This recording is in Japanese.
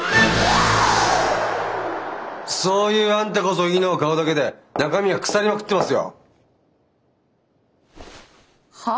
そういうあんたこそいいのは顔だけで中身は腐りまくってますよ。は？